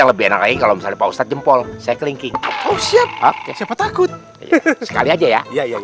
lebih enak lagi kalau misalnya pausat jempol saya kelingking siapa takut sekali aja ya